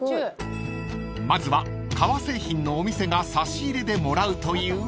［まずは革製品のお店が差し入れでもらうという］